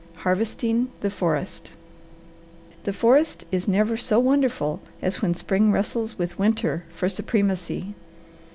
HARVESTING THE FOREST The forest is never so wonderful as when spring wrestles with winter for supremacy.